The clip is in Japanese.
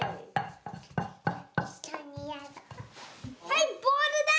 はいボールだ！